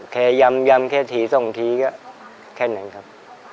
แค่นั้นครับ